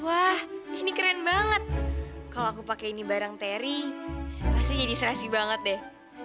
wah ini keren banget kalau aku pakai ini barang teri pasti jadi serasi banget deh